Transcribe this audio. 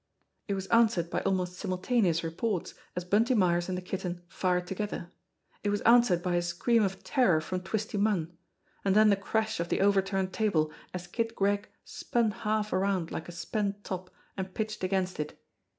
It was answered by almost simultaneous reports as Bunty Myers and the Kitten fired together ; it was answered by a scream of terror from Twisty Munn and then the crash of the overturned table as Kid Gregg spun half around like a spent top and pitched against it.